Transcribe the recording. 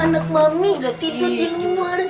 anak mami gak tidur di luar